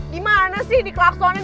di mana sih diklaksonin